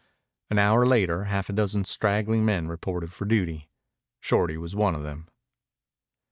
An hour later half a dozen straggling men reported for duty. Shorty was one of them.